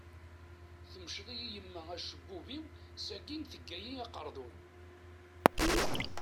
Temceḍ-iyi yemma acebbub-iw, sakin tegga-iyi aqardun.